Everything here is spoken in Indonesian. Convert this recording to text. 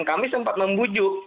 kami sempat membujuk